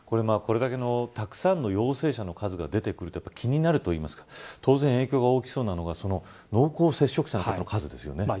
これだけのたくさんの陽性者の数が出てくると気になるというますか当然、影響が大きそうなのが濃厚接触者の数ですよね。